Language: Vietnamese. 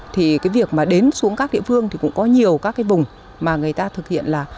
thì cái việc mà đến xuống các địa phương thì cũng có nhiều các cái vùng mà người ta thực hiện là